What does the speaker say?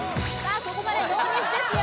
ここまでノーミスですよ